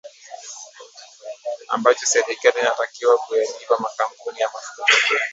ambacho serikali inatakiwa kuyalipa makampuni ya mafuta